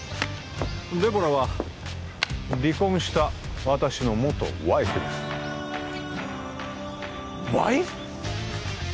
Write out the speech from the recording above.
デボラは離婚した私の元ワイフですワイフ！？